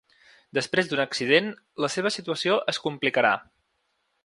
Després d’un accident, la seva situació es complicarà.